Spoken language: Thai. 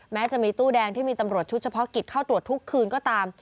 แม้จะมีตู้แดงที่มีตำรวจชุดเฉพาะกิจเข้าตรวจทุกคืนก็ตาม